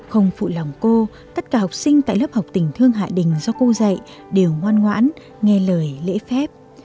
không phụ lòng cô tất cả học sinh tại lớp học tình thương hạ đình do cô dạy đều ngoan ngoãn nghe lời lễ phép